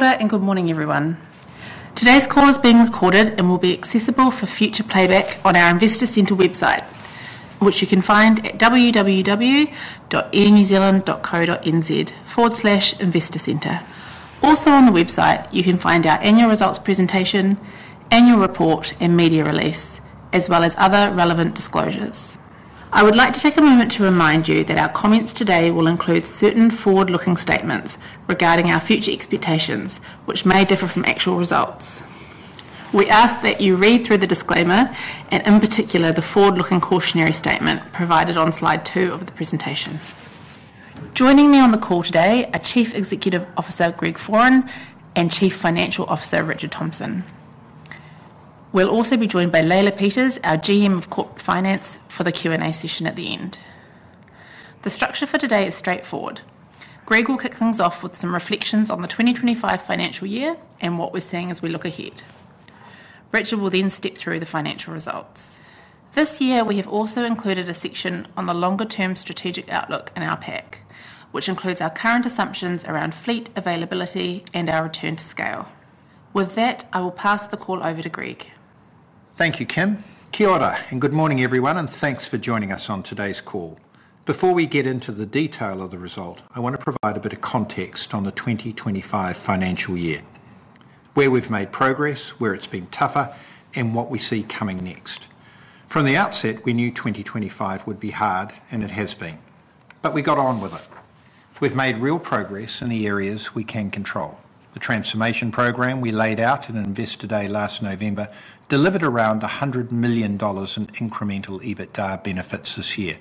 Good morning, everyone. Today's call is being recorded and will be accessible for future playback on our Investor Centre website, which you can find at www.airnewzealand.co.nz/investorcentre. Also on the website, you can find our annual results presentation, annual report, and media release, as well as other relevant disclosures. I would like to take a moment to remind you that our comments today will include certain forward-looking statements regarding our future expectations, which may differ from actual results. We ask that you read through the disclaimer and, in particular, the forward-looking cautionary statement provided on slide 2 of the presentation. Joining me on the call today are Chief Executive Officer Greg Foran and Chief Financial Officer Richard Thomson. We'll also be joined by Leila Peters, our GM of Corp Finance, for the Q&A session at the end. The structure for today is straightforward. Greg will kick things off with some reflections on the 2025 financial year and what we're seeing as we look ahead. Richard will then step through the financial results. This year, we have also included a section on the longer-term strategic outlook in our pack, which includes our current assumptions around fleet availability and our return to scale. With that, I will pass the call over to Greg. Thank you, Kim. Kia ora, and good morning, everyone, and thanks for joining us on today's call. Before we get into the detail of the result, I want to provide a bit of context on the 2025 financial year, where we've made progress, where it's been tougher, and what we see coming next. From the outset, we knew 2025 would be hard, and it has been, but we got on with it. We've made real progress in the areas we can control. The Transformation Programme we laid out at Invest Today last November delivered around $100 million in incremental EBITDA benefits this year,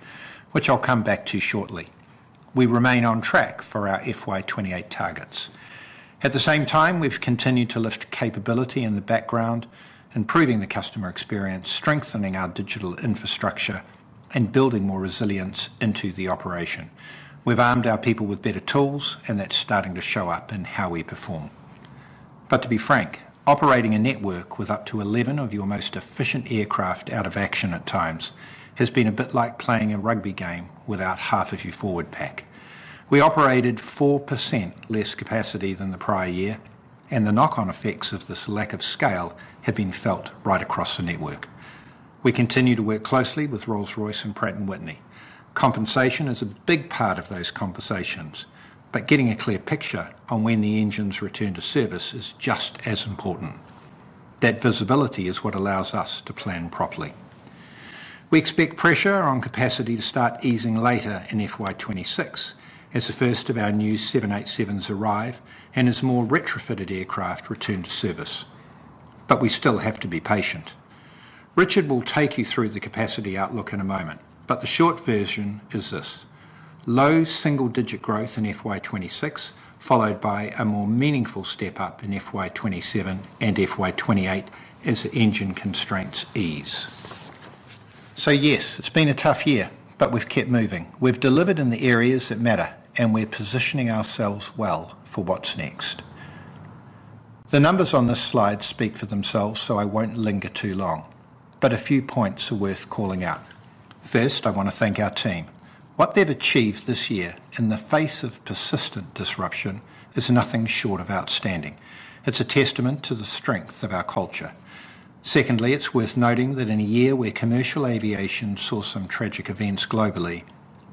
which I'll come back to shortly. We remain on track for our FY 2028 targets. At the same time, we've continued to lift capability in the background, improving the customer experience, strengthening our digital infrastructure, and building more resilience into the operation. We've armed our people with better tools, and that's starting to show up in how we perform. To be frank, operating a network with up to 11 of your most efficient aircraft out of action at times has been a bit like playing a rugby game without half of your forward pack. We operated 4% less capacity than the prior year, and the knock-on effects of this lack of scale have been felt right across the network. We continue to work closely with Rolls-Royce and Pratt & Whitney. Compensation is a big part of those conversations, but getting a clear picture on when the engines return to service is just as important. That visibility is what allows us to plan properly. We expect pressure on capacity to start easing later in FY 2026 as the first of our new 787s arrive and as more retrofitted aircraft return to service, but we still have to be patient. Richard will take you through the capacity outlook in a moment, the short version is this: low single-digit growth in FY 2026, followed by a more meaningful step up in FY 2027 and FY 2028 as the engine constraints ease. It's been a tough year, but we've kept moving. We've delivered in the areas that matter, and we're positioning ourselves well for what's next. The numbers on this slide speak for themselves, so I won't linger too long, but a few points are worth calling out. First, I want to thank our team. What they've achieved this year in the face of persistent disruption is nothing short of outstanding. It's a testament to the strength of our culture. Secondly, it's worth noting that in a year where commercial aviation saw some tragic events globally,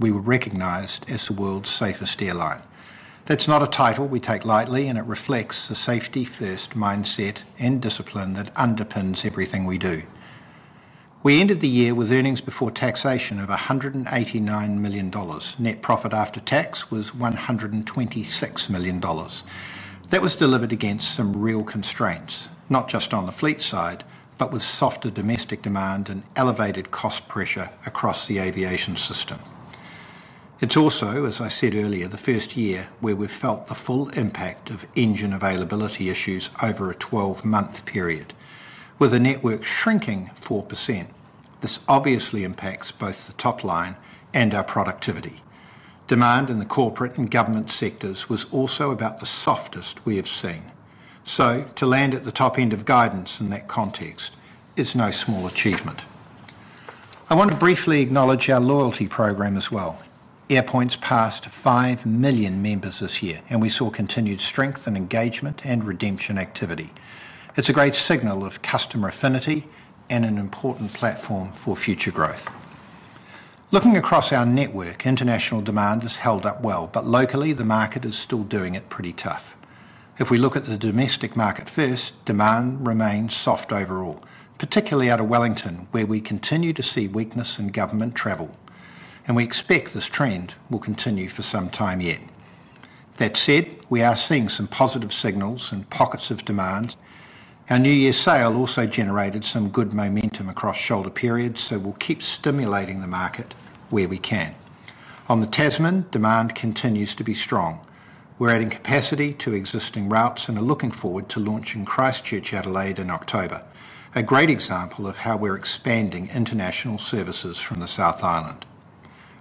we were recognized as the world's safest airline. That's not a title we take lightly, and it reflects a safety-first mindset and discipline that underpins everything we do. We ended the year with earnings before taxation of $189 million. Net profit after tax was $126 million. That was delivered against some real constraints, not just on the fleet side, but with softer domestic demand and elevated cost pressure across the aviation system. It's also, as I said earlier, the first year where we've felt the full impact of engine availability issues over a 12-month period. With the network shrinking 4%, this obviously impacts both the top line and our productivity. Demand in the corporate and government sectors was also about the softest we have seen. To land at the top end of guidance in that context is no small achievement. I want to briefly acknowledge our loyalty program as well. Airpoints passed 5 million members this year, and we saw continued strength in engagement and redemption activity. It's a great signal of customer affinity and an important platform for future growth. Looking across our network, international demand has held up well, but locally, the market is still doing it pretty tough. If we look at the domestic market first, demand remains soft overall, particularly out of Wellington, where we continue to see weakness in government travel, and we expect this trend will continue for some time yet. That said, we are seeing some positive signals and pockets of demand. Our New Year's sale also generated some good momentum across shoulder periods, so we'll keep stimulating the market where we can. On the Tasman, demand continues to be strong. We're adding capacity to existing routes and are looking forward to launching Christchurch Adelaide in October, a great example of how we're expanding international services from the South Island.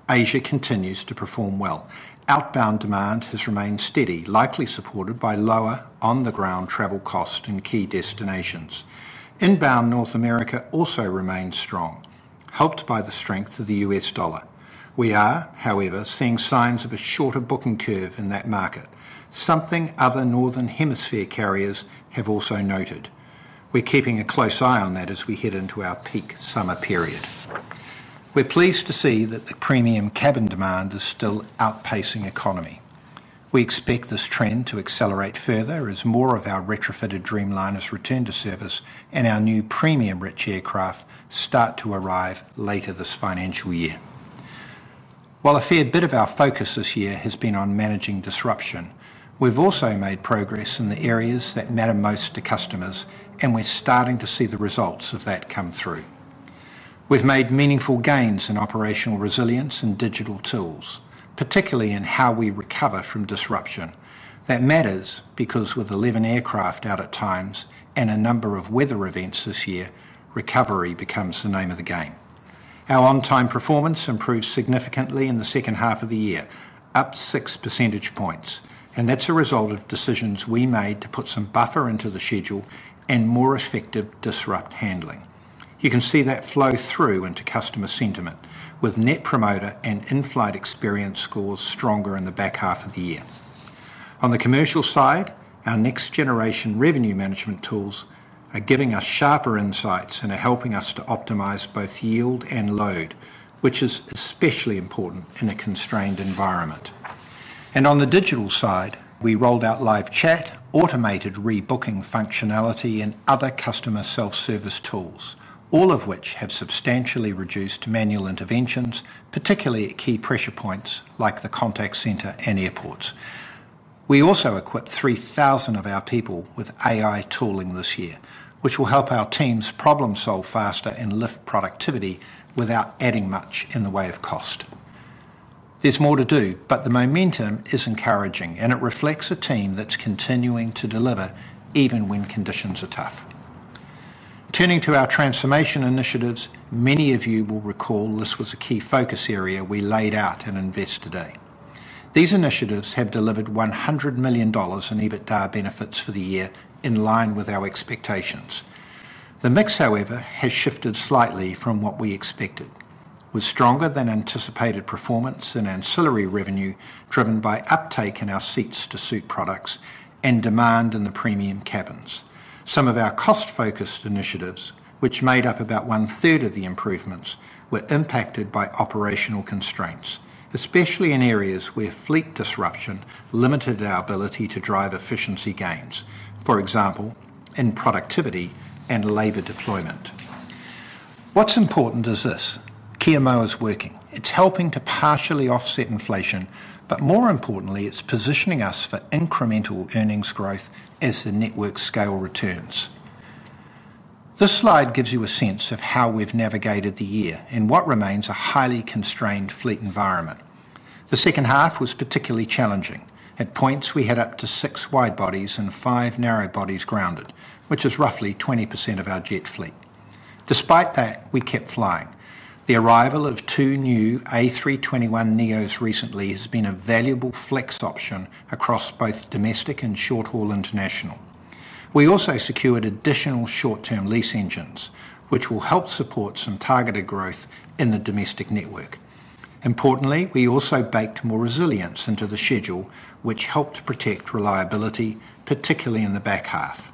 Asia continues to perform well. Outbound demand has remained steady, likely supported by lower on-the-ground travel costs in key destinations. Inbound North America also remains strong, helped by the strength of the U.S. dollar. We are, however, seeing signs of a shorter booking curve in that market, something other northern hemisphere carriers have also noted. We're keeping a close eye on that as we head into our peak summer period. We're pleased to see that the premium cabin demand is still outpacing economy. We expect this trend to accelerate further as more of our retrofitted Dreamliners return to service and our new premium-rich aircraft start to arrive later this financial year. While a fair bit of our focus this year has been on managing disruption, we've also made progress in the areas that matter most to customers, and we're starting to see the results of that come through. We've made meaningful gains in operational resilience and digital tools, particularly in how we recover from disruption. That matters because with 11 aircraft out at times and a number of weather events this year, recovery becomes the name of the game. Our on-time performance improved significantly in the second half of the year, up 6%, and that's a result of decisions we made to put some buffer into the schedule and more effective disrupt handling. You can see that flow through into customer sentiment, with net promoter and in-flight experience scores stronger in the back half of the year. On the commercial side, our next-generation revenue management tools are giving us sharper insights and are helping us to optimize both yield and load, which is especially important in a constrained environment. On the digital side, we rolled out live chat, automated rebooking functionality, and other customer self-service tools, all of which have substantially reduced manual interventions, particularly at key pressure points like the contact center and airports. We also equipped 3,000 of our people with AI tooling this year, which will help our teams problem-solve faster and lift productivity without adding much in the way of cost. There's more to do, but the momentum is encouraging, and it reflects a team that's continuing to deliver even when conditions are tough. Turning to our transformation initiatives, many of you will recall this was a key focus area we laid out in Invest Today. These initiatives have delivered $100 million in EBITDA benefits for the year in line with our expectations. The mix, however, has shifted slightly from what we expected, with stronger than anticipated performance in ancillary revenue driven by uptake in our seats to suit products and demand in the premium cabins. Some of our cost-focused initiatives, which made up about 1/3 of the improvements, were impacted by operational constraints, especially in areas where fleet disruption limited our ability to drive efficiency gains, for example, in productivity and labor deployment. What's important is this: QMO is working. It's helping to partially offset inflation, but more importantly, it's positioning us for incremental earnings growth as the network scale returns. This slide gives you a sense of how we've navigated the year and what remains a highly constrained fleet environment. The second half was particularly challenging. At points, we had up to six wide bodies and five narrow bodies grounded, which is roughly 20% of our jet fleet. Despite that, we kept flying. The arrival of two new A321neos recently has been a valuable flex option across both domestic and short-haul international. We also secured additional short-term lease engines, which will help support some targeted growth in the domestic network. Importantly, we also baked more resilience into the schedule, which helped protect reliability, particularly in the back-half.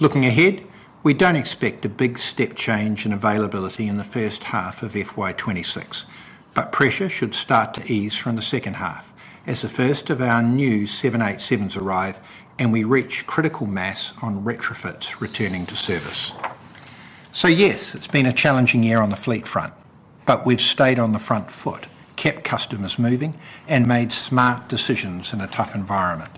Looking ahead, we don't expect a big step change in availability in the first-half of FY 2026, but pressure should start to ease from the second half as the first of our new 787s arrive and we reach critical mass on retrofits returning to service. It's been a challenging year on the fleet front, but we've stayed on the front foot, kept customers moving, and made smart decisions in a tough environment.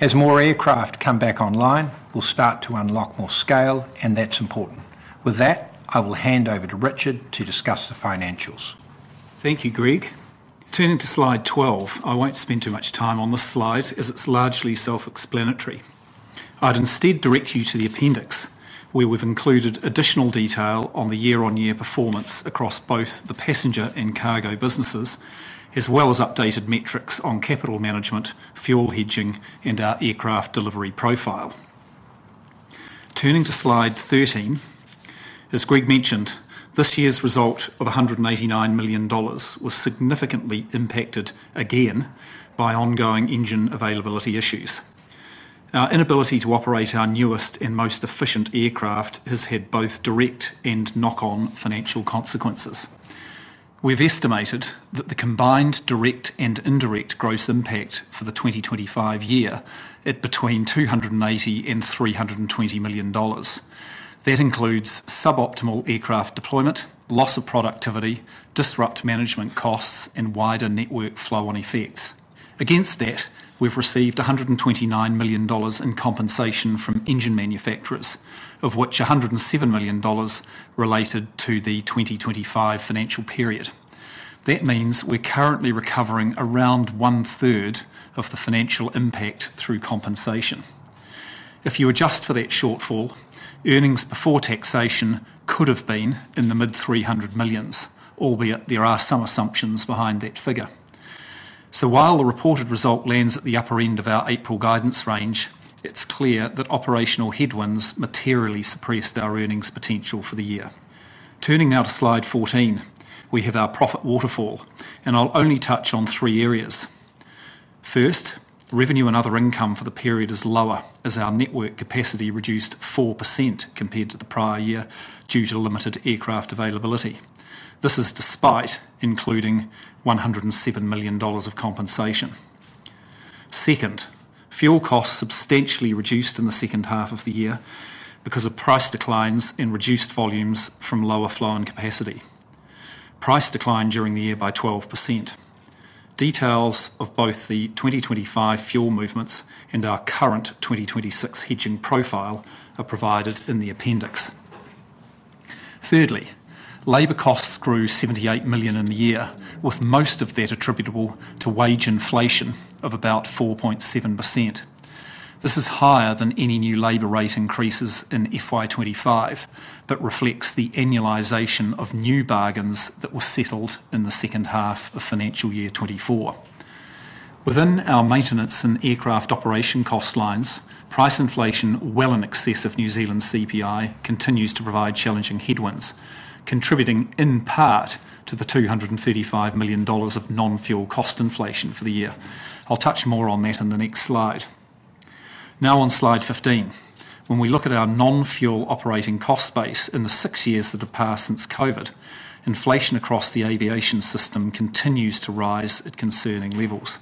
As more aircraft come back online, we'll start to unlock more scale, and that's important. With that, I will hand over to Richard to discuss the financials. Thank you, Greg. Turning to slide 12, I won't spend too much time on this slide as it's largely self-explanatory. I'd instead direct you to the appendix, where we've included additional detail on the year-on-year performance across both the passenger and cargo businesses, as well as updated metrics on capital management, fuel hedging, and our aircraft delivery profile. Turning to slide 13, as Greg mentioned, this year's result of $189 million was significantly impacted again by ongoing engine availability issues. Our inability to operate our newest and most efficient aircraft has had both direct and knock-on financial consequences. We've estimated that the combined direct and indirect gross impact for the 2025 year at between $280 million and $320 million. That includes suboptimal aircraft deployment, loss of productivity, disrupt management costs, and wider network flow-on effects. Against that, we've received $129 million in compensation from engine manufacturers, of which $107 million related to the 2025 financial period. That means we're currently recovering around 1/3 of the financial impact through compensation. If you adjust for that shortfall, earnings before taxation could have been in the mid-$300 million, albeit there are some assumptions behind that figure. While the reported result lands at the upper end of our April guidance range, it's clear that operational headwinds materially suppressed our earnings potential for the year. Turning now to slide 14, we have our profit waterfall, and I'll only touch on three areas. First, revenue and other income for the period is lower, as our network capacity reduced 4% compared to the prior year due to limited aircraft availability. This is despite including $107 million of compensation. Second, fuel costs substantially reduced in the second half of the year because of price declines and reduced volumes from lower flying capacity. Price declined during the year by 12%. Details of both the 2025 fuel movements and our current 2026 hedging profile are provided in the appendix. Thirdly, labor costs grew $78 million in the year, with most of that attributable to wage inflation of about 4.7%. This is higher than any new labor rate increases in FY 2025 but reflects the annualization of new bargains that were settled in the second half of financial year 2024. Within our maintenance and aircraft operation cost lines, price inflation well in excess of New Zealand's CPI continues to provide challenging headwinds, contributing in part to the $235 million of non-fuel cost inflation for the year. I'll touch more on that in the next slide. Now on slide 15, when we look at our non-fuel operating cost base in the six years that have passed since COVID, inflation across the aviation system continues to rise at concerning levels.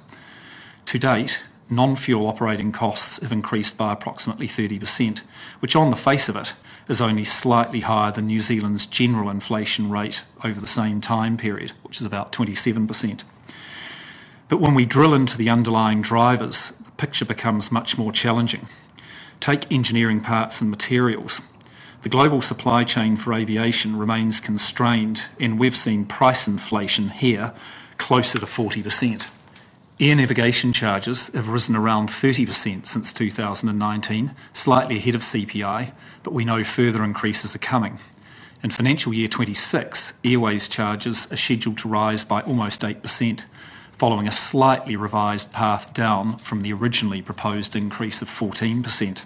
To date, non-fuel operating costs have increased by approximately 30%, which on the face of it is only slightly higher than New Zealand's general inflation rate over the same time period, which is about 27%. When we drill into the underlying drivers, the picture becomes much more challenging. Take engineering parts and materials. The global supply chain for aviation remains constrained, and we've seen price inflation here closer to 40%. Air navigation charges have risen around 30% since 2019, slightly ahead of CPI, but we know further increases are coming. In financial year 2026, airways charges are scheduled to rise by almost 8%, following a slightly revised path down from the originally proposed increase of 14%.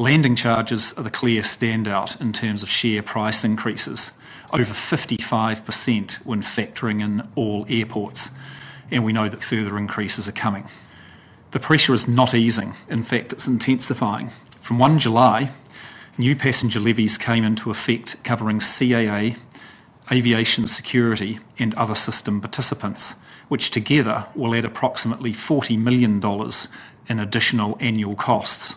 Landing charges are the clear standout in terms of share price increases, over 55% when factoring in all airports, and we know that further increases are coming. The pressure is not easing, in fact, it's intensifying. From July 1, new passenger levies came into effect covering CAA, aviation security, and other system participants, which together will add approximately $40 million in additional annual costs.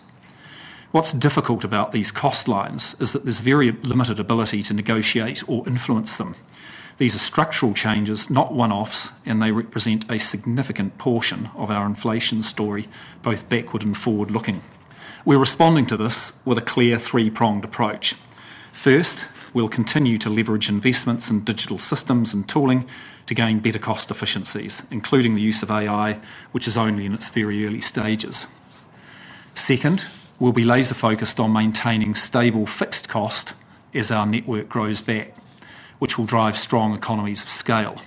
What's difficult about these cost lines is that there's very limited ability to negotiate or influence them. These are structural changes, not one-offs, and they represent a significant portion of our inflation story, both backward and forward-looking. We're responding to this with a clear three-pronged approach. First, we'll continue to leverage investments in digital systems and tooling to gain better cost efficiencies, including the use of AI, which is only in its very early stages. Second, we'll be laser-focused on maintaining stable fixed costs as our network grows back, which will drive strong economies of scale.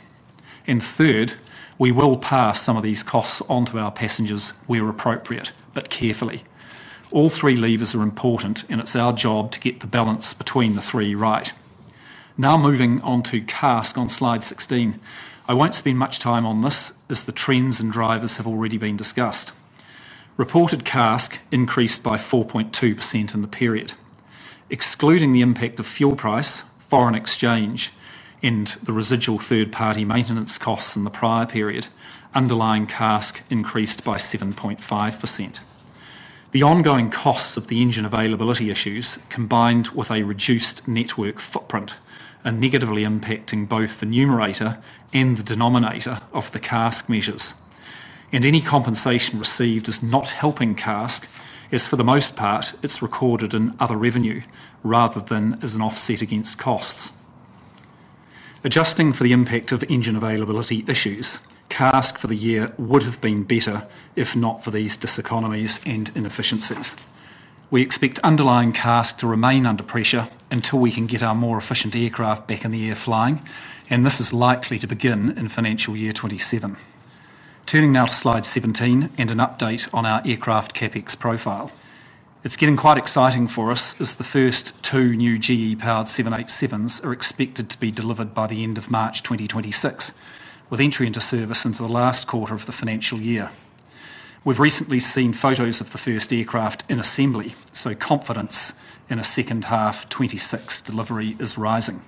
Third, we will pass some of these costs onto our passengers where appropriate, but carefully. All three levers are important, and it's our job to get the balance between the three right. Now moving on to CASC on slide 16, I won't spend much time on this as the trends and drivers have already been discussed. Reported CASC increased by 4.2% in the period. Excluding the impact of fuel price, foreign exchange, and the residual third-party maintenance costs in the prior period, underlying CASC increased by 7.5%. The ongoing costs of the engine availability issues, combined with a reduced network footprint, are negatively impacting both the numerator and the denominator of the CASC measures. Any compensation received is not helping CASC, as for the most part, it's recorded in other revenue rather than as an offset against costs. Adjusting for the impact of engine availability issues, CASC for the year would have been better if not for these diseconomies and inefficiencies. We expect underlying CASC to remain under pressure until we can get our more efficient aircraft back in the air flying, and this is likely to begin in financial year 2027. Turning now to slide 17 and an update on our aircraft CapEx profile. It's getting quite exciting for us as the first two new GE-powered 787s are expected to be delivered by the end of March 2026, with entry into service in the last quarter of the financial year. We've recently seen photos of the first aircraft in assembly, so confidence in a second half 2026 delivery is rising.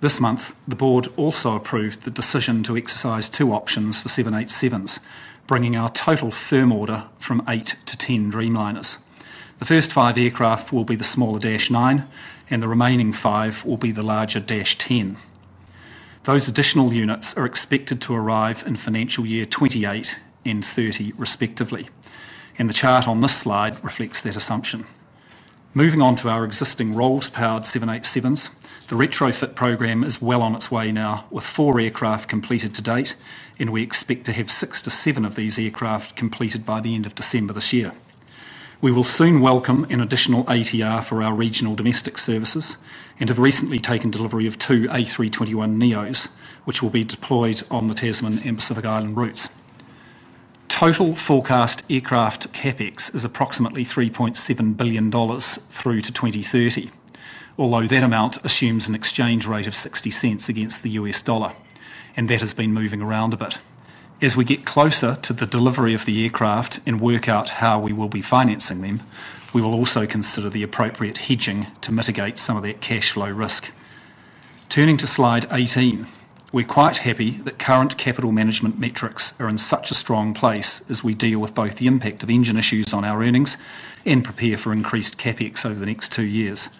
This month, the board also approved the decision to exercise two options for 787s, bringing our total firm order from eight to 10 Dreamliners. The first five aircraft will be the smaller Dash 9, and the remaining five will be the larger Dash 10. Those additional units are expected to arrive in financial year 2028 and 2030, respectively, and the chart on this slide reflects that assumption. Moving on to our existing Rolls powered 787s, the retrofit program is well on its way now, with four aircraft completed to date, and we expect to have six to seven of these aircraft completed by the end of December this year. We will soon welcome an additional ATR for our regional domestic services and have recently taken delivery of two A321neos, which will be deployed on the Tasman and Pacific Island routes. Total forecast aircraft CapEx is approximately $3.7 billion through to 2030, although that amount assumes an exchange rate of $0.60 against the U.S. dollar, and that has been moving around a bit. As we get closer to the delivery of the aircraft and work out how we will be financing them, we will also consider the appropriate hedging to mitigate some of that cash flow risk. Turning to slide 18, we're quite happy that current capital management metrics are in such a strong place as we deal with both the impact of engine issues on our earnings and prepare for increased CapEx over the next two years.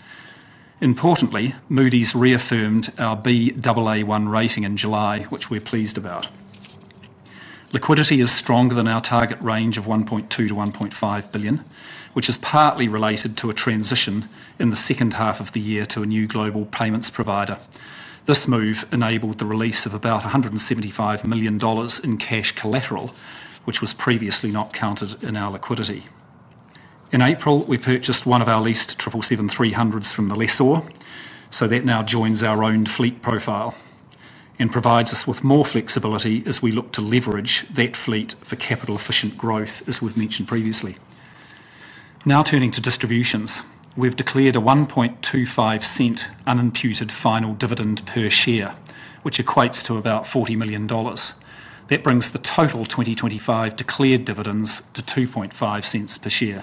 Importantly, Moody’s reaffirmed our BA1 rating in July, which we're pleased about. Liquidity is stronger than our target range of $1.2 billion-$1.5 billion, which is partly related to a transition in the second half of the year to a new global payments provider. This move enabled the release of about $175 million in cash collateral, which was previously not counted in our liquidity. In April, we purchased one of our leased 777-300s from [Melissaur], so that now joins our own fleet profile and provides us with more flexibility as we look to leverage that fleet for capital-efficient growth, as we've mentioned previously. Now turning to distributions, we've declared a $1.25 unimputed final dividend per share, which equates to about $40 million. That brings the total 2025 declared dividends to $0.025 per share.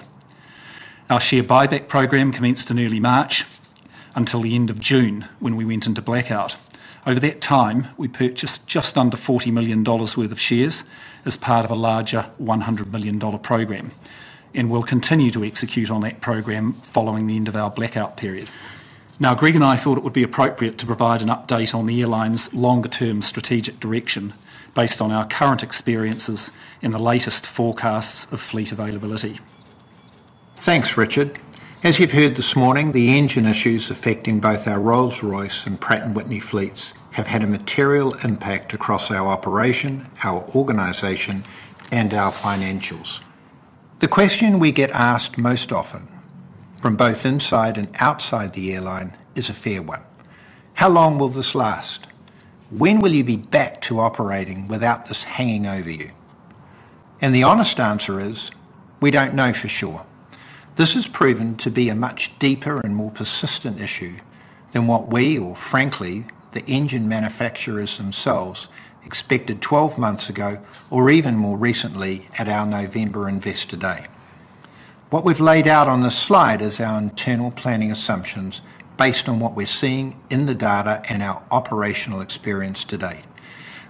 Our share buyback program commenced in early March until the end of June, when we went into blackout. Over that time, we purchased just under $40 million worth of shares as part of a larger $100 million program, and we'll continue to execute on that program following the end of our blackout period. Now, Greg and I thought it would be appropriate to provide an update on the airline's longer-term strategic direction based on our current experiences and the latest forecasts of fleet availability. Thanks, Richard. As you've heard this morning, the engine issues affecting both our Rolls-Royce and Pratt & Whitney fleets have had a material impact across our operation, our organization, and our financials. The question we get asked most often from both inside and outside the airline is a fair one: how long will this last? When will you be back to operating without this hanging over you? The honest answer is, we don't know for sure. This has proven to be a much deeper and more persistent issue than what we, or frankly, the engine manufacturers themselves, expected 12 months ago or even more recently at our November Invest Today. What we've laid out on this slide is our internal planning assumptions based on what we're seeing in the data and our operational experience to date.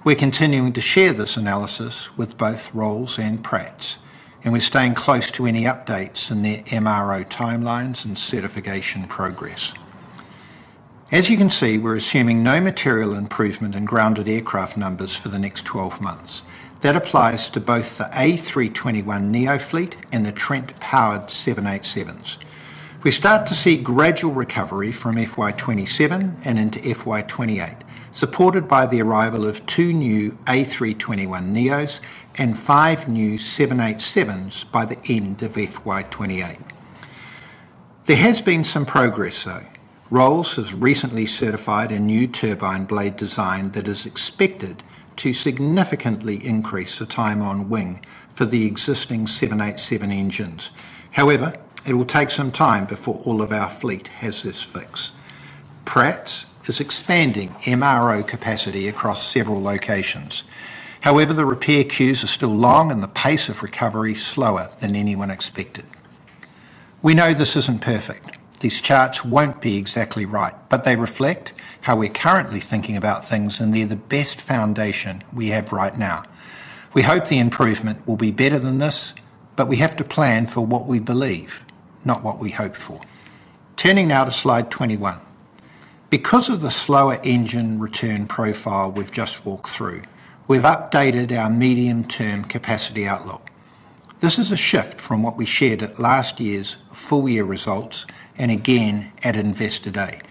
We're continuing to share this analysis with both Rolls and Pratt, and we're staying close to any updates in their MRO timelines and certification progress. As you can see, we're assuming no material improvement in grounded aircraft numbers for the next 12 months. That applies to both the A321neo fleet and the Trent-powered 787s. We start to see gradual recovery from FY 2027 and into FY 2028, supported by the arrival of two new A321neos and five new 787s by the end of FY 2028. There has been some progress, though. Rolls has recently certified a new turbine blade design that is expected to significantly increase the time on wing for the existing 787 engines. However, it will take some time before all of our fleet has this fix. Pratt is expanding MRO capacity across several locations. However, the repair queues are still long and the pace of recovery is slower than anyone expected. We know this isn't perfect. These charts won't be exactly right, but they reflect how we're currently thinking about things, and they're the best foundation we have right now. We hope the improvement will be better than this, but we have to plan for what we believe, not what we hope for. Turning now to slide 21. Because of the slower engine return profile we've just walked through, we've updated our medium-term capacity outlook. This is a shift from what we shared at last year's full-year results and again at Invest Today.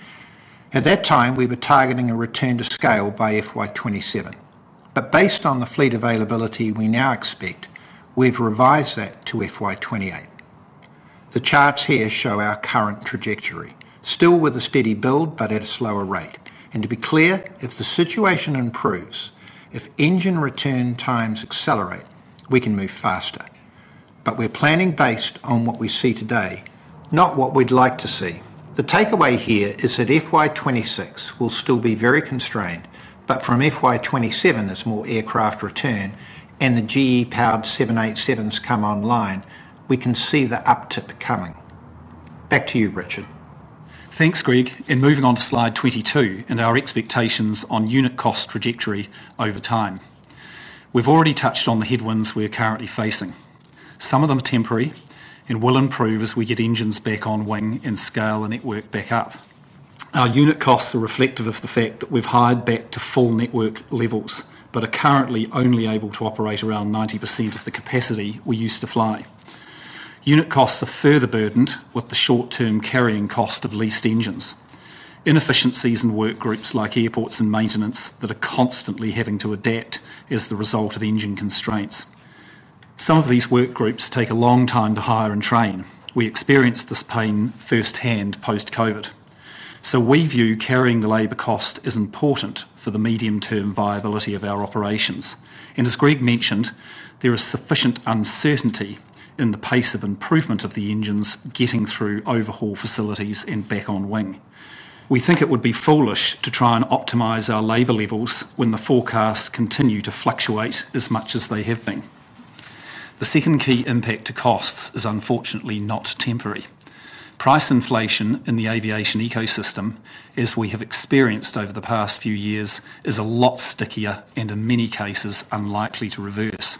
At that time, we were targeting a return to scale by FY 2027, but based on the fleet availability we now expect, we've revised that to FY 2028. The charts here show our current trajectory, still with a steady build but at a slower rate. To be clear, if the situation improves, if engine return times accelerate, we can move faster. We're planning based on what we see today, not what we'd like to see. The takeaway here is that FY 2026 will still be very constrained, but from FY 2027, as more aircraft return and the GE-powered 787s come online, we can see the uptick coming. Back to you, Richard. Thanks, Greg. Moving on to slide 22 and our expectations on unit cost trajectory over time. We've already touched on the headwinds we're currently facing. Some of them are temporary and will improve as we get engines back on wing and scale the network back up. Our unit costs are reflective of the fact that we've hired back to full network levels but are currently only able to operate around 90% of the capacity we used to fly. Unit costs are further burdened with the short-term carrying cost of leased engines. Inefficiencies in work groups like airports and maintenance that are constantly having to adapt as the result of engine constraints. Some of these work groups take a long time to hire and train. We experienced this pain firsthand post-COVID. We view carrying the labor cost as important for the medium-term viability of our operations. As Greg mentioned, there is sufficient uncertainty in the pace of improvement of the engines getting through overhaul facilities and back on wing. We think it would be foolish to try and optimize our labor levels when the forecasts continue to fluctuate as much as they have been. The second key impact to costs is unfortunately not temporary. Price inflation in the aviation ecosystem, as we have experienced over the past few years, is a lot stickier and in many cases unlikely to reverse.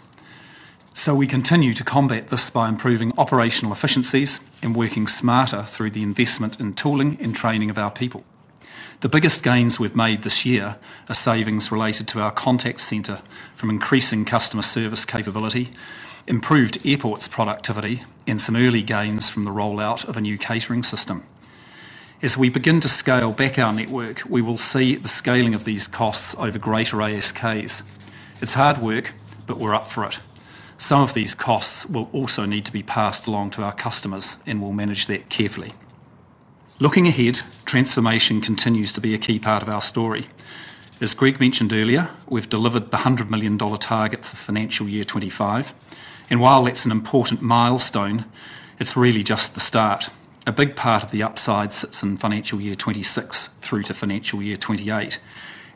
We continue to combat this by improving operational efficiencies and working smarter through the investment in tooling and training of our people. The biggest gains we've made this year are savings related to our contact center from increasing customer service capability, improved airports' productivity, and some early gains from the rollout of a new catering system. As we begin to scale back our network, we will see the scaling of these costs over greater ASKs. It's hard work, but we're up for it. Some of these costs will also need to be passed along to our customers, and we'll manage that carefully. Looking ahead, transformation continues to be a key part of our story. As Greg mentioned earlier, we've delivered the $100 million target for financial year 2025, and while that's an important milestone, it's really just the start. A big part of the upside sits in financial year 2026 through to financial year 2028,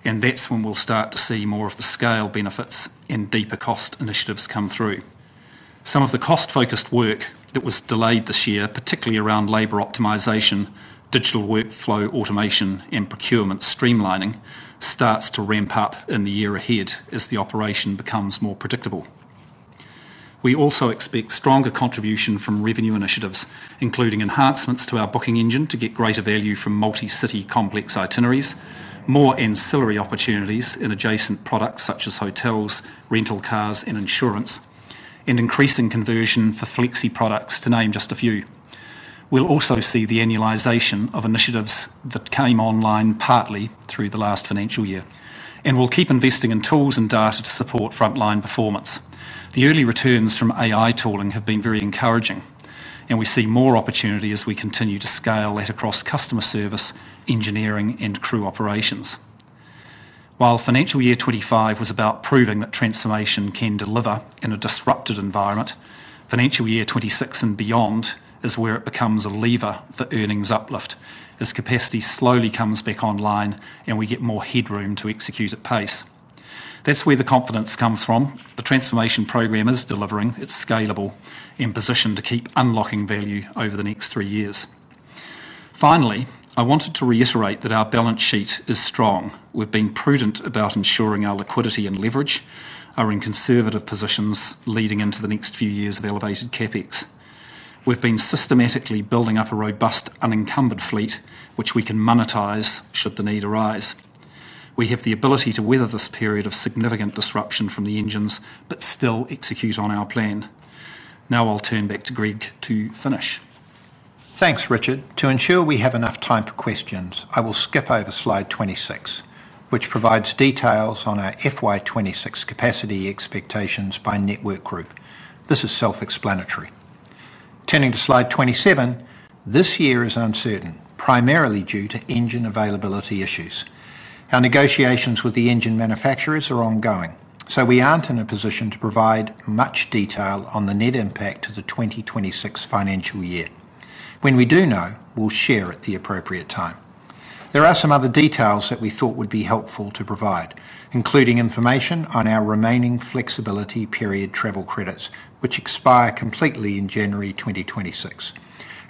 and that's when we'll start to see more of the scale benefits and deeper cost initiatives come through. Some of the cost-focused work that was delayed this year, particularly around labor optimization, digital workflow automation, and procurement streamlining, starts to ramp up in the year ahead as the operation becomes more predictable. We also expect stronger contribution from revenue initiatives, including enhancements to our booking engine to get greater value from multi-city complex itineraries, more ancillary opportunities in adjacent products such as hotels, rental cars, and insurance, and increasing conversion for flexi products, to name just a few. We'll also see the annualization of initiatives that came online partly through the last financial year, and we'll keep investing in tools and data to support frontline performance. The early returns from AI tooling have been very encouraging, and we see more opportunity as we continue to scale that across customer service, engineering, and crew operations. While financial year 2025 was about proving that transformation can deliver in a disrupted environment, financial year 2026 and beyond is where it becomes a lever for earnings uplift as capacity slowly comes back online and we get more headroom to execute at pace. That's where the confidence comes from. The Transformation Programme is delivering, it's scalable, and positioned to keep unlocking value over the next three years. Finally, I wanted to reiterate that our balance sheet is strong. We've been prudent about ensuring our liquidity and leverage are in conservative positions leading into the next few years of elevated CapEx. We've been systematically building up a robust unencumbered fleet, which we can monetize should the need arise. We have the ability to weather this period of significant disruption from the engines but still execute on our plan. Now I'll turn back to Greg to finish. Thanks, Richard. To ensure we have enough time for questions, I will skip over slide 26, which provides details on our FY 2026 capacity expectations by network group. This is self-explanatory. Turning to slide 27, this year is uncertain, primarily due to engine availability issues. Our negotiations with the engine manufacturers are ongoing, so we aren't in a position to provide much detail on the net impact of the 2026 financial year. When we do know, we'll share at the appropriate time. There are some other details that we thought would be helpful to provide, including information on our remaining flexibility period travel credits, which expire completely in January 2026,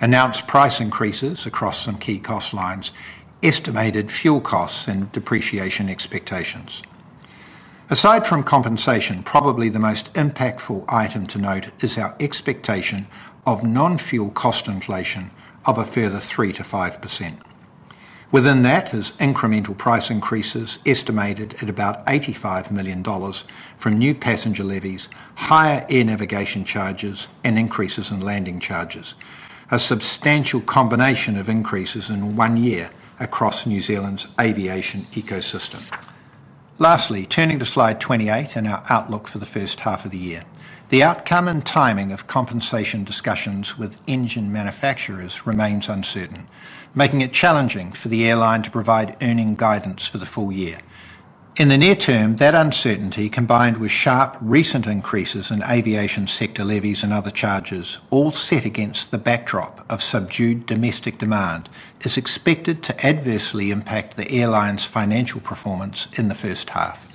announced price increases across some key cost lines, estimated fuel costs, and depreciation expectations. Aside from compensation, probably the most impactful item to note is our expectation of non-fuel cost inflation of a further 3%-5%. Within that is incremental price increases estimated at about $85 million from new passenger levies, higher air navigation charges, and increases in landing charges, a substantial combination of increases in one year across New Zealand's aviation ecosystem. Lastly, turning to slide 28 and our outlook for the first-half of the year, the outcome and timing of compensation discussions with engine manufacturers remains uncertain, making it challenging for the airline to provide earning guidance for the full-year. In the near term, that uncertainty, combined with sharp recent increases in aviation sector levies and other charges, all set against the backdrop of subdued domestic demand, is expected to adversely impact the airline's financial performance in the first-half.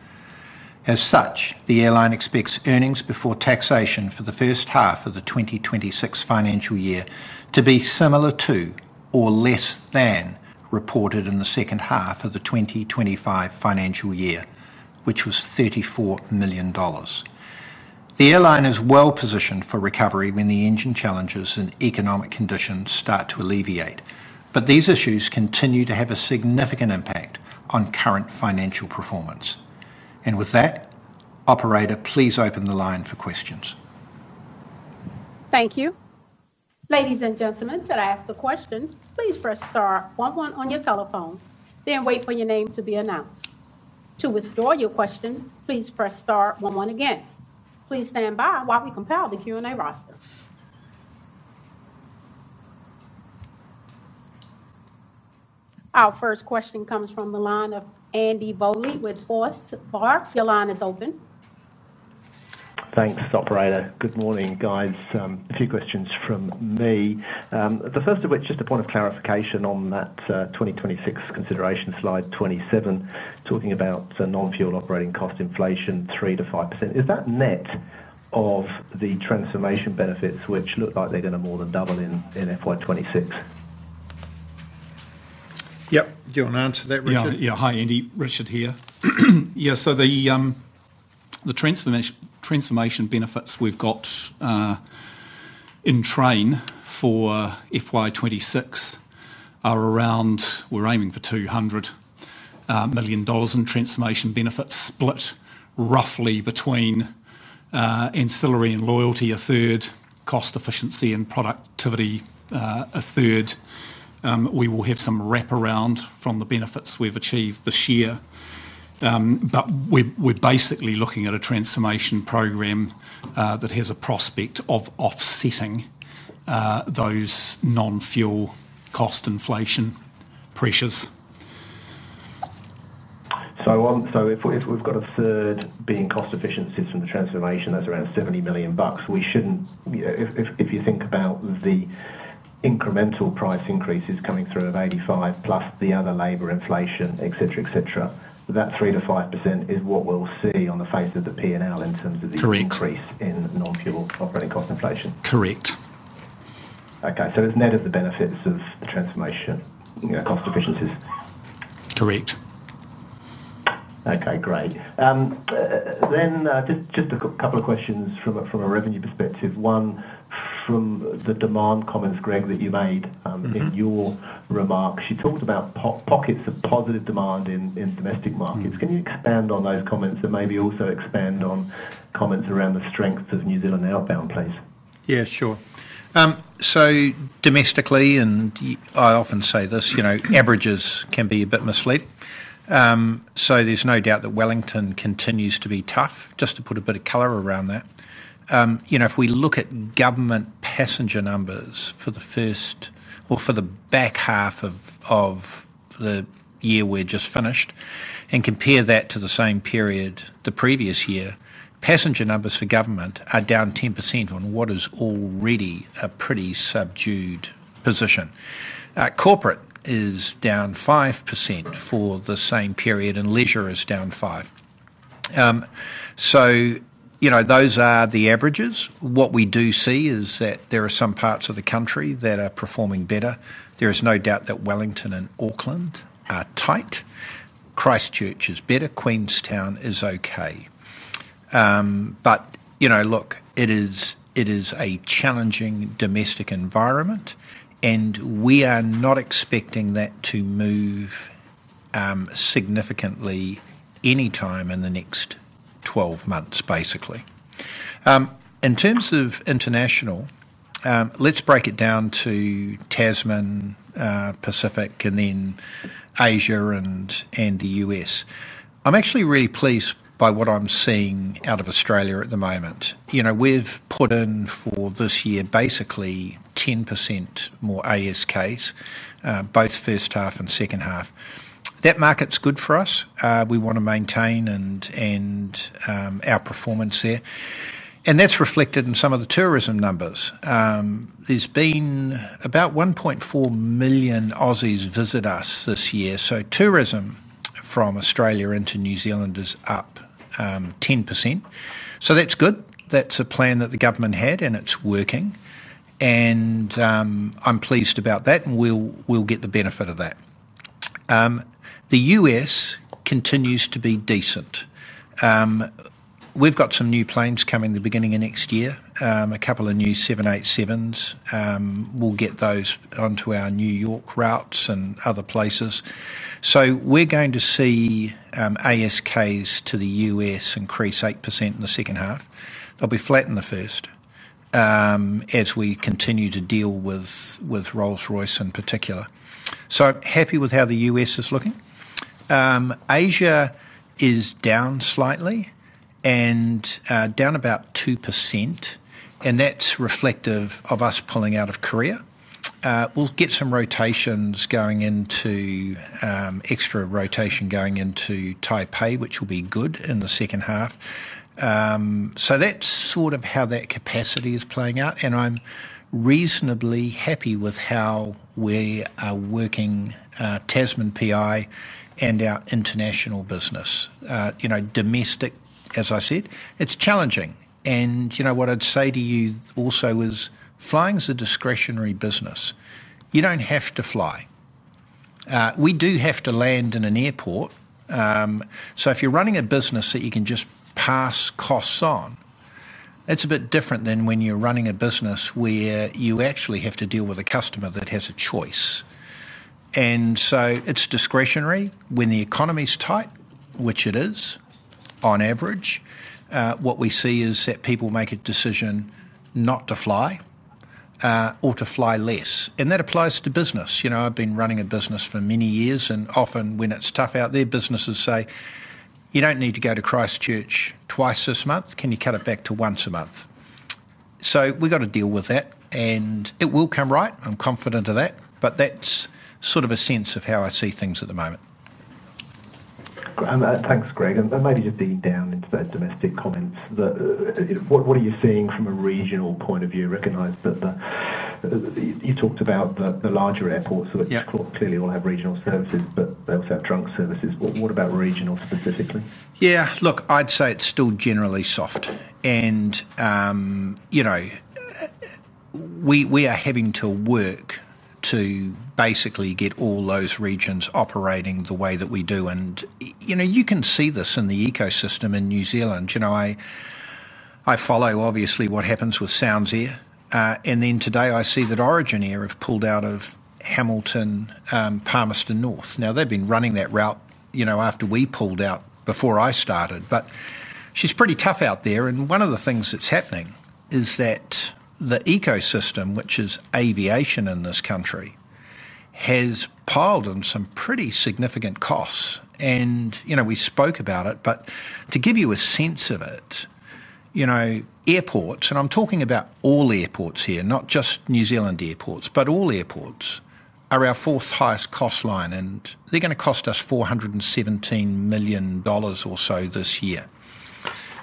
As such, the airline expects earnings before taxation for the first-half of the 2026 financial year to be similar to or less than reported in the second half of the 2025 financial year, which was $34 million. The airline is well positioned for recovery when the engine challenges and economic conditions start to alleviate, but these issues continue to have a significant impact on current financial performance. With that, operator, please open the line for questions. Thank you. Ladies and gentlemen, to ask a question, please press star one one on your telephone, then wait for your name to be announced. To withdraw your question, please press star one one again. Please stand by while we compile the Q&A roster. Our first question comes from the line of Andy Bowley with Forsyth Barr. Your line is open. Thanks, operator. Good morning, guys. A few questions from me. The first of which, just a point of clarification on that 2026 consideration slide 27, talking about non-fuel operating cost inflation 3%-5%. Is that net of the transformation benefits, which look like they're going to more than double in FY 2026? Yep. Do you want to answer that, Richard? Yeah, yeah. Hi, Andy. Richard here. Yeah, so the transformation benefits we've got in train for FY 2026 are around, we're aiming for $200 million in transformation benefits, split roughly between ancillary and loyalty a third, cost efficiency and productivity a third. We will have some wraparound from the benefits we've achieved this year, but we're basically looking at a Transformation Programme that has a prospect of offsetting those non-fuel cost inflation pressures. If we've got a third being cost efficiency from the transformation, that's around $70 million. We shouldn't, if you think about the incremental price increases coming through of $85 million plus the other labor inflation, etc., etc., that 3%-5% is what we'll see on the face of the P&L in terms of the increase in non-fuel operating cost inflation. Correct. Okay, so it's net of the benefits of transformation, you know, cost efficiencies. Correct. Okay, great. Then just a couple of questions from a revenue perspective. One from the demand comments, Greg, that you made in your remarks. You talked about pockets of positive demand in domestic markets. Can you expand on those comments and maybe also expand on comments around the strengths of New Zealand outbound, please? Yeah, sure. Domestically, and I often say this, averages can be a bit misleading. There's no doubt that Wellington continues to be tough, just to put a bit of color around that. If we look at government passenger numbers for the first or for the back half of the year we've just finished and compare that to the same period the previous year, passenger numbers for government are down 10% on what is already a pretty subdued position. Corporate is down 5% for the same period, and leisure is down 5%. Those are the averages. What we do see is that there are some parts of the country that are performing better. There is no doubt that Wellington and Auckland are tight. Christchurch is better. Queenstown is okay. It is a challenging domestic environment, and we are not expecting that to move significantly anytime in the next 12 months, basically. In terms of international, let's break it down to Tasman, Pacific, and then Asia and the U.S. I'm actually really pleased by what I'm seeing out of Australia at the moment. We've put in for this year basically 10% more ASKs, both first-half and second half. That market's good for us. We want to maintain our performance there. That's reflected in some of the tourism numbers. There's been about 1.4 million Aussies visit us this year, so tourism from Australia into New Zealand is up 10%. That's good. That's a plan that the government had, and it's working. I'm pleased about that, and we'll get the benefit of that. The U.S. continues to be decent. We've got some new planes coming the beginning of next year, a couple of new 787s. We'll get those onto our New York routes and other places. We're going to see ASKs to the U.S. increase 8% in the second half. It'll be flat in the first as we continue to deal with Rolls-Royce in particular. I'm happy with how the U.S. is looking. Asia is down slightly and down about 2%, and that's reflective of us pulling out of Korea. We'll get some rotations going into extra rotation going into Taipei, which will be good in the second half. That's sort of how that capacity is playing out, and I'm reasonably happy with how we are working Tasman PI and our international business. Domestic, as I said, it's challenging. What I'd say to you also is flying is a discretionary business. You don't have to fly. We do have to land in an airport. If you're running a business that you can just pass costs on, that's a bit different than when you're running a business where you actually have to deal with a customer that has a choice. It's discretionary when the economy's tight, which it is on average. What we see is that people make a decision not to fly or to fly less. That applies to business. I've been running a business for many years, and often when it's tough out there, businesses say, "You don't need to go to Christchurch twice this month. Can you cut it back to once a month?" We've got to deal with that, and it will come right. I'm confident of that, but that's sort of a sense of how I see things at the moment. Thanks, Greg. Maybe just dig down into those domestic comments. What are you seeing from a regional point of view? Recognize that you talked about the larger airports, so clearly all have regional services, but they also have trunk services. What about regional specifically? Yeah, look, I'd say it's still generally soft. We are having to work to basically get all those regions operating the way that we do. You can see this in the ecosystem in New Zealand. I follow obviously what happens with Sounds Air. Today I see that Origin Air have pulled out of Hamilton, Palmerston North. They've been running that route after we pulled out before I started. It's pretty tough out there. One of the things that's happening is that the ecosystem, which is aviation in this country, has piled in some pretty significant costs. We spoke about it, but to give you a sense of it, airports, and I'm talking about all airports here, not just New Zealand airports, but all airports, are our fourth highest cost line. They're going to cost us $417 million or so this year.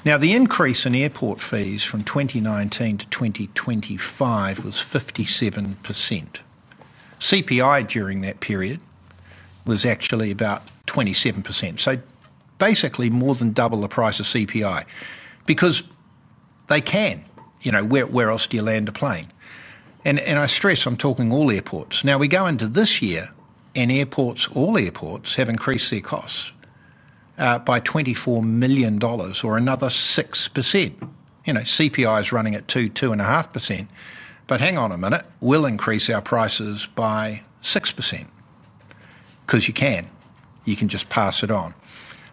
The increase in airport fees from 2019 to 2025 was 57%. CPI during that period was actually about 27%. Basically more than double the price of CPI because they can, you know, where else do you land a plane? I stress I'm talking all airports. We go into this year and all airports have increased their costs by $24 million or another 6%. CPI is running at 2%, 2.5%. Hang on a minute, we'll increase our prices by 6% because you can. You can just pass it on.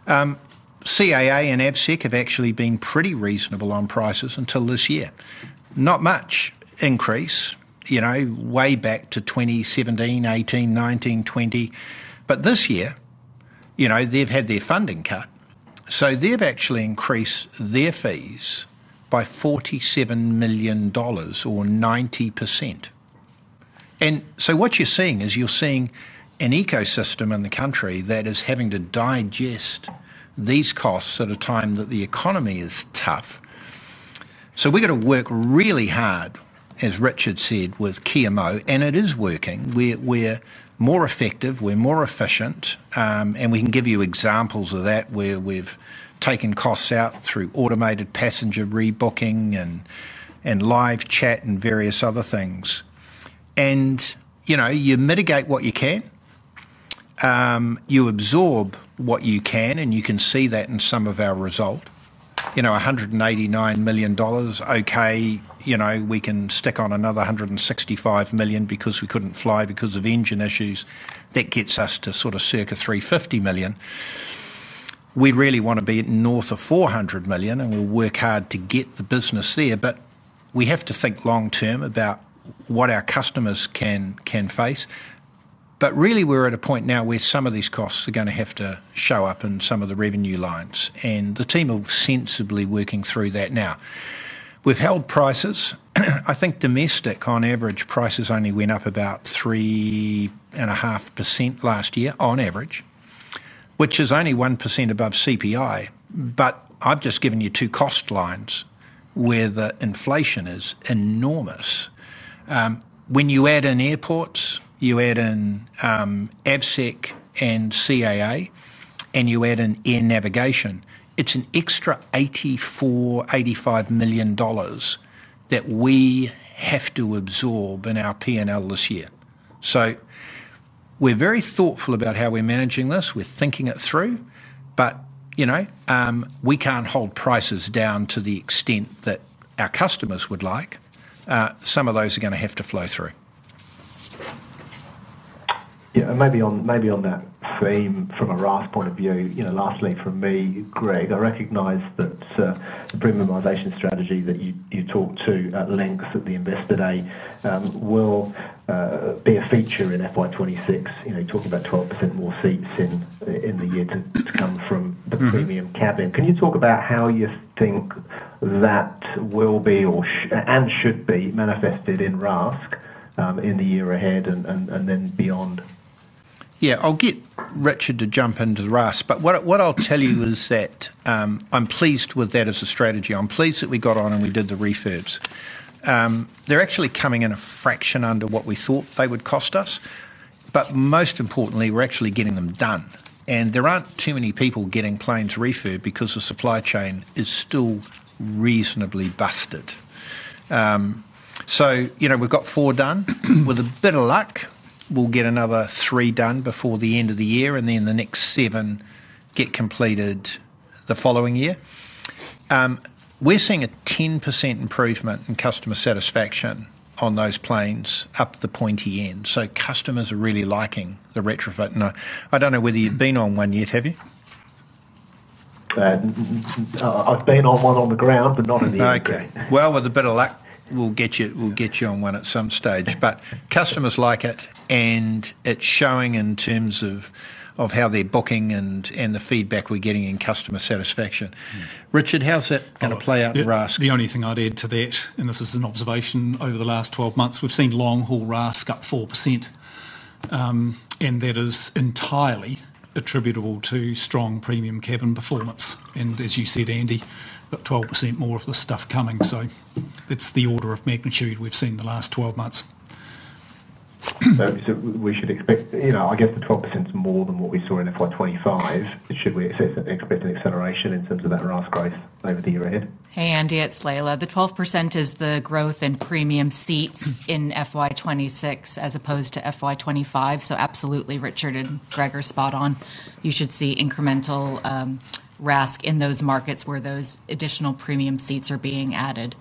CAA and AVSEC have actually been pretty reasonable on prices until this year. Not much increase way back to 2017, 2018, 2019, 2020. This year, they've had their funding cut, so they've actually increased their fees by $47 million or 90%. What you're seeing is you're seeing an ecosystem in the country that is having to digest these costs at a time that the economy is tough. We're going to work really hard, as Richard said, with QMO, and it is working. We're more effective, we're more efficient, and we can give you examples of that where we've taken costs out through automated passenger rebooking and live chat and various other things. You mitigate what you can, you absorb what you can, and you can see that in some of our result. $189 million, okay, we can stick on another $165 million because we couldn't fly because of engine issues. That gets us to sort of circa $350 million. We really want to be north of $400 million, and we'll work hard to get the business there, but we have to think long-term about what our customers can face. We're at a point now where some of these costs are going to have to show up in some of the revenue lines, and the team will be sensibly working through that now. We've held prices. I think domestic, on average, prices only went up about 3.5% last year, on average, which is only 1% above CPI. I've just given you two cost lines where the inflation is enormous. When you add in airports, you add in AVSEC and CAA, and you add in air navigation, it's an extra $84 million, $85 million that we have to absorb in our P&L this year. We're very thoughtful about how we're managing this. We're thinking it through, but you know, we can't hold prices down to the extent that our customers would like. Some of those are going to have to flow through. Maybe on that theme from a RAAF point of view, lastly from me, Greg, I recognize that the premiumisation strategy that you talked to at length at the Invest Today will be a feature in FY 2026. You're talking about 12% more seats in the year to come from the premium cabin. Can you talk about how you think that will be and should be manifested in RAAF in the year ahead and then beyond? Yeah, I'll get Richard to jump into RAAF, but what I'll tell you is that I'm pleased with that as a strategy. I'm pleased that we got on and we did the refurbs. They're actually coming in a fraction under what we thought they would cost us, but most importantly, we're actually getting them done. There aren't too many people getting planes refurbed because the supply chain is still reasonably busted. We've got four done. With a bit of luck, we'll get another three done before the end of the year, and then the next seven get completed the following year. We're seeing a 10% improvement in customer satisfaction on those planes up the pointy end. Customers are really liking the retrofit. I don't know whether you've been on one yet, have you? I've been on one on the ground, but not in the aircraft. Okay. With a bit of luck, we'll get you on one at some stage. Customers like it, and it's showing in terms of how they're booking and the feedback we're getting in customer satisfaction. Richard, how's that going to play out in RAAF? The only thing I'd add to that, and this is an observation over the last 12 months, we've seen long-haul RAAFs up 4%. That is entirely attributable to strong premium cabin performance. As you said, Andy, about 12% more of the stuff coming. That's the order of magnitude we've seen in the last 12 months. We should expect, you know, I guess the 12% is more than what we saw in FY 2025. Should we expect an acceleration in terms of that RAAF growth over the year ahead? Hey, Andy, it's Leila. The 12% is the growth in premium seats in FY 2026 as opposed to FY 2025. Richard and Greg are spot on. You should see incremental RAAFs in those markets where those additional premium seats are being added,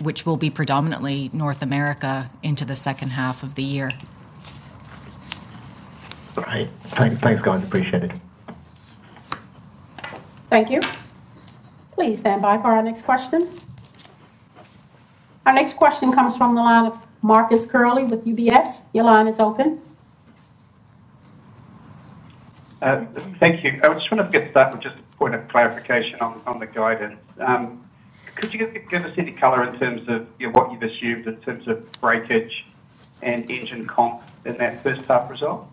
which will be predominantly North America into the second half of the year. Thanks, guys. Appreciate it. Thank you. Please stand by for our next question. Our next question comes from the line of Marcus Curley with UBS. Your line is open. Thank you. I just want to get started with a point of clarification on the guidance. Could you give us any color in terms of what you've assumed in terms of breakage and engine comp at first-half result?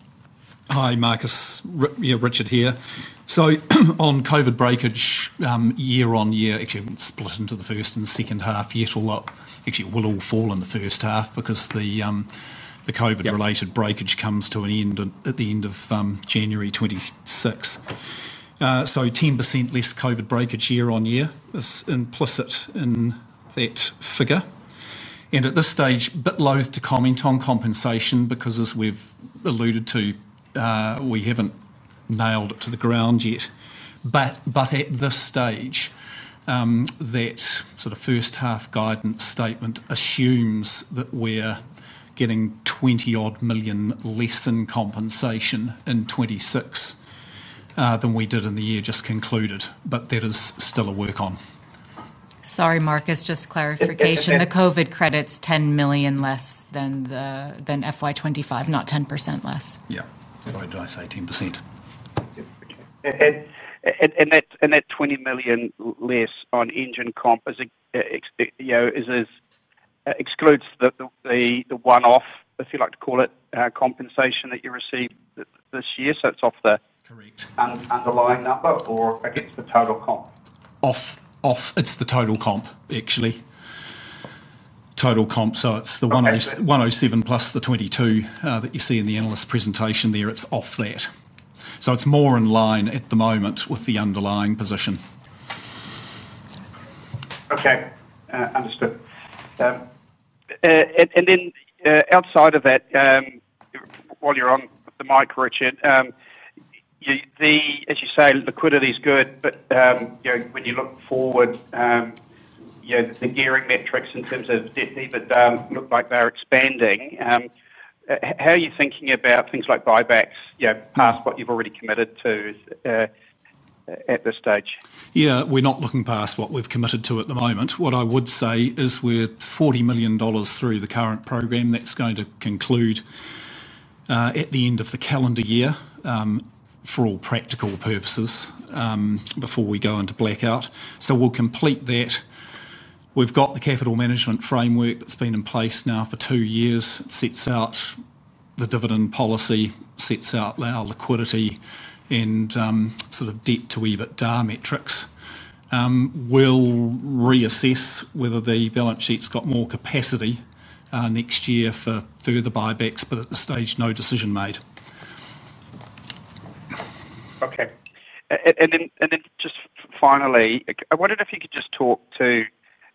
Hi, Marcus. Yeah, Richard here. On COVID breakage, year-on-year, it went split into the first and second half a lot. Actually, it will all fall in the first-half because the COVID-related breakage comes to an end at the end of January 2026. 10% less COVID breakage year-on-year is implicit in that figure. At this stage, a bit loath to comment on compensation because as we've alluded to, we haven't nailed it to the ground yet. At this stage, that sort of first-half guidance statement assumes that we're getting $20 million less in compensation in 2026 than we did in the year just concluded. That is still a work on. Sorry, Marcus, just clarification. The COVID credits $10 million less than FY 2025, not 10% less. Yeah, why did I say 10%? That $20 million less on engine comp excludes the one-off, if you like to call it, compensation that you received this year. Is it off the underlying number or against the total comp? It's the total comp, actually. Total comp, so it's the $107 million plus the $22 million that you see in the analyst presentation there. It's off that. It's more in line at the moment with the underlying position. Okay, understood. While you're on the mic, Richard, as you say, liquidity is good, but when you look forward, the gearing metrics in terms of this even look like they're expanding. How are you thinking about things like buybacks past what you've already committed to at this stage? We're not looking past what we've committed to at the moment. What I would say is we're $40 million through the current program that's going to conclude at the end of the calendar year for all practical purposes before we go into blackout. We'll complete that. We've got the capital management framework that's been in place now for two years. It sets out the dividend policy, sets out our liquidity and sort of debt to EBITDA metrics. We'll reassess whether the balance sheet's got more capacity next year for further buybacks, but at this stage, no decision made. Okay. Finally, I wondered if you could just talk to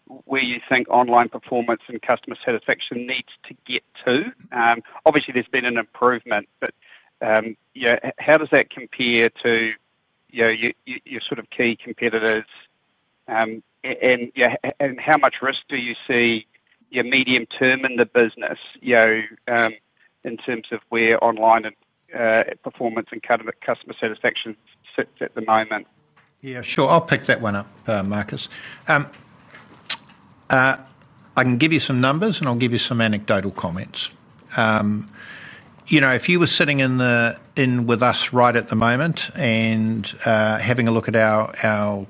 where you think online performance and customer satisfaction needs to get to. Obviously, there's been an improvement, but you know, how does that compare to your sort of key competitors? How much risk do you see your medium term in the business in terms of where online performance and customer satisfaction sits at the moment? Yeah, sure. I'll pick that one up, Marcus. I can give you some numbers and I'll give you some anecdotal comments. You know, if you were sitting in with us right at the moment and having a look at our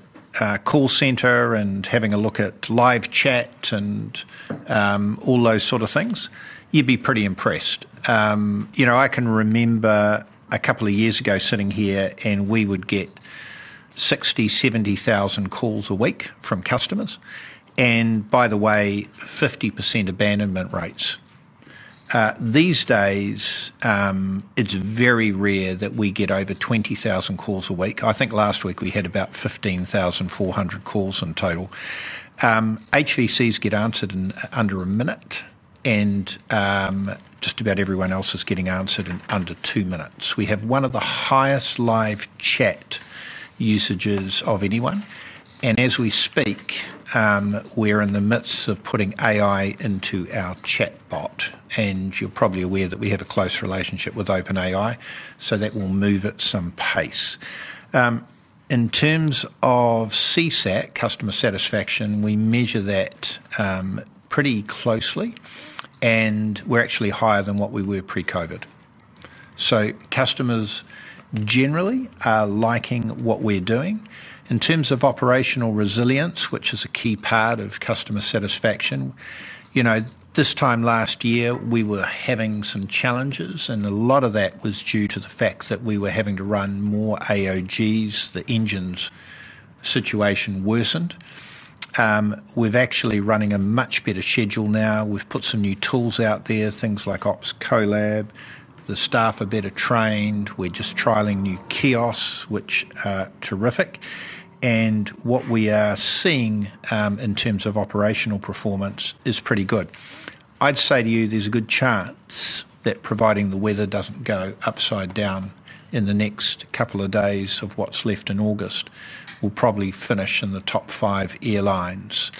call center and having a look at live chat and all those sort of things, you'd be pretty impressed. I can remember a couple of years ago sitting here and we would get 60,000, 70,000 calls a week from customers. By the way, 50% abandonment rates. These days, it's very rare that we get over 20,000 calls a week. I think last week we had about 15,400 calls in total. HVCs get answered in under a minute and just about everyone else is getting answered in under two minutes. We have one of the highest live chat usages of anyone. As we speak, we're in the midst of putting AI into our chatbot. You're probably aware that we have a close relationship with OpenAI, so that will move at some pace. In terms of CSAC, customer satisfaction, we measure that pretty closely and we're actually higher than what we were pre-COVID. Customers generally are liking what we're doing. In terms of operational resilience, which is a key part of customer satisfaction, this time last year we were having some challenges and a lot of that was due to the fact that we were having to run more AOGs. The engines situation worsened. We're actually running a much better schedule now. We've put some new tools out there, things like Ops Colab. The staff are better trained. We're just trialing new kiosks, which are terrific. What we are seeing in terms of operational performance is pretty good. I'd say to you there's a good chance that providing the weather doesn't go upside down in the next couple of days of what's left in August, we'll probably finish in the top five airlines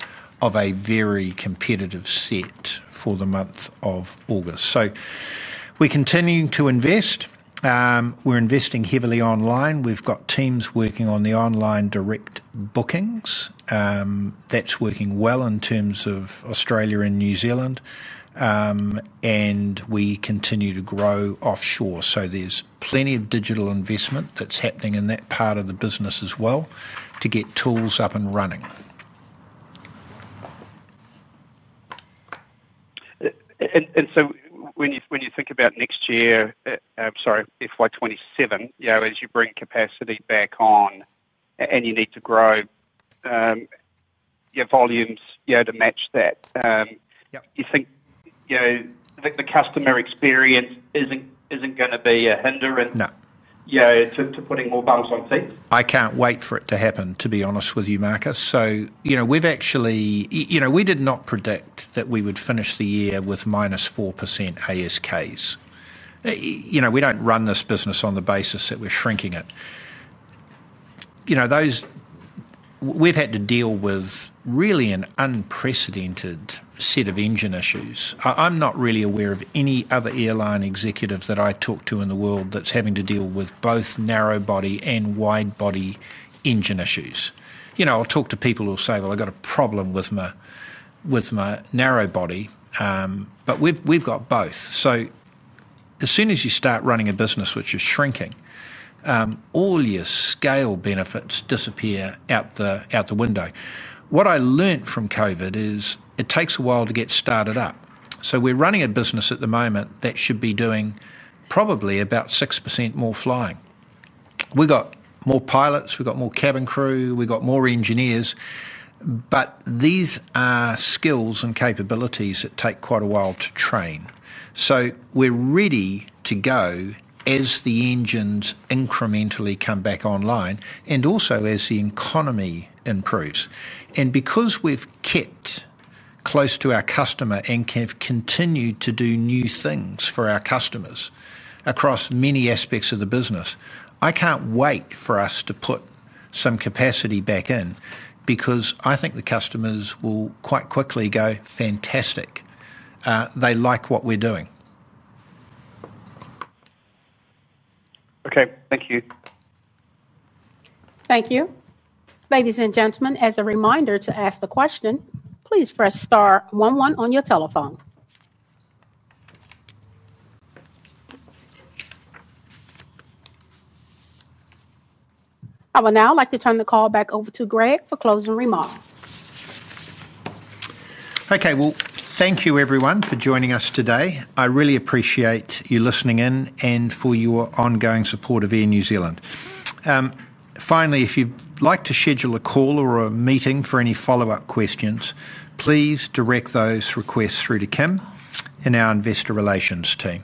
of a very competitive set for the month of August. We're continuing to invest. We're investing heavily online. We've got teams working on the online direct bookings. That's working well in terms of Australia and New Zealand. We continue to grow offshore. There's plenty of digital investment that's happening in that part of the business as well to get tools up and running. When you think about next year, sorry, FY 2027, as you bring capacity back on and you need to grow your volumes to match that, you think the customer experience isn't going to be a hindrance to putting more bums on seats? I can't wait for it to happen, to be honest with you, Marcus. We've actually, we did not predict that we would finish the year with -4% ASKs. We don't run this business on the basis that we're shrinking it. We've had to deal with really an unprecedented set of engine issues. I'm not really aware of any other airline executive that I talk to in the world that's having to deal with both narrow body and wide body engine issues. I'll talk to people who'll say, well, I've got a problem with my narrow body, but we've got both. As soon as you start running a business which is shrinking, all your scale benefits disappear out the window. What I learned from COVID is it takes a while to get started up. We're running a business at the moment that should be doing probably about 6% more flying. We've got more pilots, we've got more cabin crew, we've got more engineers, but these are skills and capabilities that take quite a while to train. We're ready to go as the engines incrementally come back online and also as the economy improves. Because we've kept close to our customer and have continued to do new things for our customers across many aspects of the business, I can't wait for us to put some capacity back in because I think the customers will quite quickly go, fantastic. They like what we're doing. Okay, thank you. Thank you. Ladies and gentlemen, as a reminder to ask a question, please press star one one on your telephone. I would now like to turn the call back over to Greg for closing remarks. Thank you everyone for joining us today. I really appreciate you listening in and for your ongoing support of Air New Zealand. Finally, if you'd like to schedule a call or a meeting for any follow-up questions, please direct those requests through to Kim in our Investor Relations team.